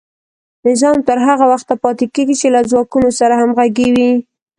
نظام تر هغه وخته پاتې کیږي چې له ځواکونو سره همغږی وي.